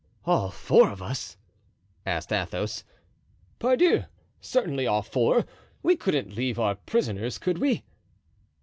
"All four of us?" asked Athos. "Pardieu! certainly, all four; we couldn't leave our prisoners, could we?"